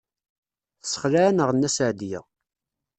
Tessexleɛ-aneɣ Nna Seɛdiya.